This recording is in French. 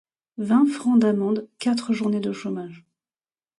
Vingt francs d'amendes, quatre journées de chômage!